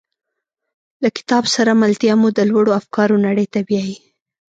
له کتاب سره ملتیا مو د لوړو افکارو نړۍ ته بیایي.